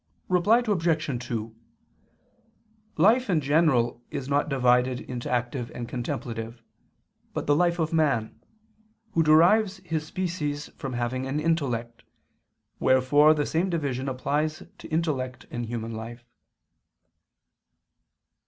Reply Obj. 2: Life in general is not divided into active and contemplative, but the life of man, who derives his species from having an intellect, wherefore the same division applies to intellect and human life.